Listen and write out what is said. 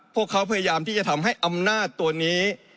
พวกเขาพยายามที่จะทำให้อำนาจตัวนี้